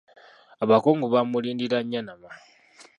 Abakungu baamulindira Nnyanama.